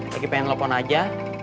lagi pengen nelfon aja